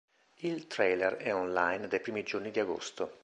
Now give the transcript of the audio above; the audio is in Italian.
Il trailer è online dai primi giorni di agosto.